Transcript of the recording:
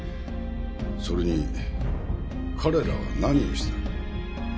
それに彼らが何をした？